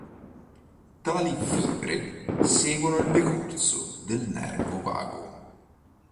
Tali fibre seguono il decorso del Nervo Vago.